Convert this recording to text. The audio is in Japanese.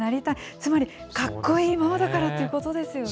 つまりかっこいいママだからということですよね。